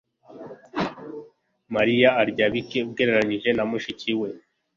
Mariya arya bike ugereranije na mushiki we